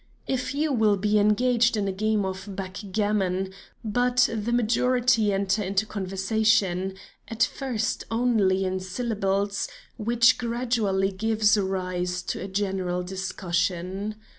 A few will be engaged in a game of backgammon, but the majority enter into conversation, at first only in syllables, which gradually gives rise to a general discussion.